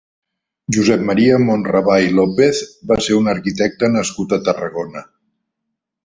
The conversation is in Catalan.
Josep Maria Monravà i López va ser un arquitecte nascut a Tarragona.